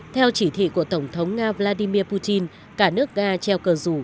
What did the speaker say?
theo chỉ thị của tổng thống nga vladimir putin cả nước nga treo cờ rủ